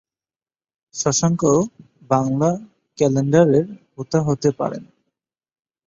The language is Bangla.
শশাঙ্ক বাংলা ক্যালেন্ডারের হোতা হতে পারেন।